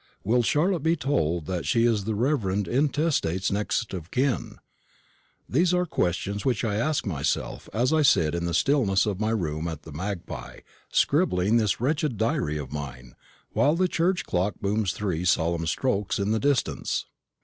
Will Charlotte be told that she is the reverend intestate's next of kin? These are questions which I ask myself as I sit in the stillness of my room at the Magpie, scribbling this wretched diary of mine, while the church clock booms three solemn strokes in the distance.